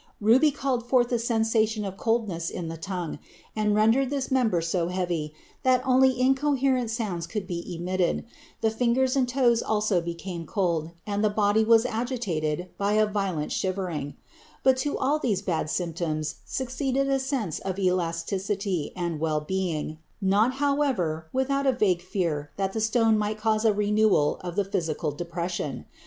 Ruby called forth a sensation of coldness in the tongue, and rendered this member so heavy that only incoherent sounds could be emitted; the fingers and toes also became cold, and the body was agitated by a violent shivering; but to all these bad symptoms succeeded a sense of elasticity and well being, not, however, without a vague fear that the stone might cause a renewal of the physical depression.